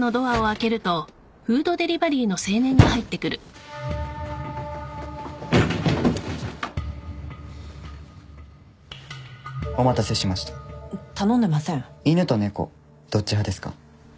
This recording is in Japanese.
犬と猫どっち派ですか？